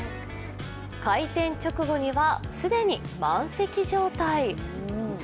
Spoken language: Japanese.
開店直後には既に満席状態。